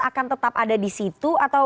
akan tetap ada di situ atau